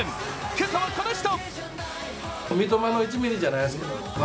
今朝はこの人。